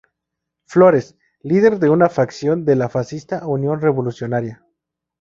Flores, líder de una facción de la fascista Unión Revolucionaria.